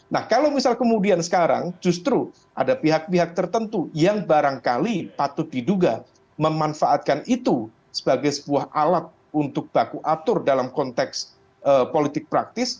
nah kalau misal kemudian sekarang justru ada pihak pihak tertentu yang barangkali patut diduga memanfaatkan itu sebagai sebuah alat untuk baku atur dalam konteks politik praktis